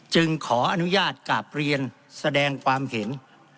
จึงขออนุญาตกล้าพเลี่ยนสแดงความเห็น